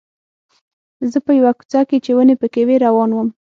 زه په یوه کوڅه کې چې ونې پکې وې روان وم.